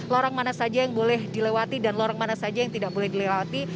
lorong mana saja yang boleh dilewati dan lorong mana saja yang tidak boleh dilewati